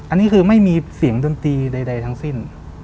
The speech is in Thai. อันนี้คือไม่มีเสียงดนตรีใดทั้งสิ้น